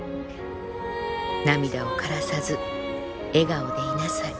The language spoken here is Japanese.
涙を涸らさず笑顔でいなさい」。